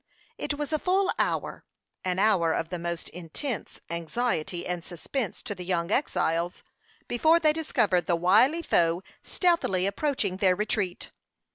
It was a full hour an hour of the most intense anxiety and suspense to the young exiles before they discovered the wily foe stealthily approaching their retreat.